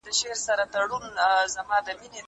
زه اجازه لرم چي ليک ولولم؟!